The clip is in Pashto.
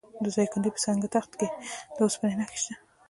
د دایکنډي په سنګ تخت کې د وسپنې نښې شته.